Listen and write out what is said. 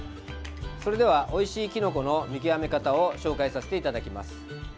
それでは、おいしいきのこの見極め方を紹介させていただきます。